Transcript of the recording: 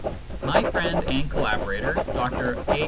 My friend and collaborator Dr A.